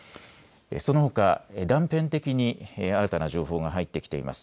そのほか断片的に新たな情報が入ってきています。